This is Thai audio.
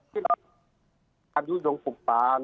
ที่เราทำยุยงฝุ่งป่าน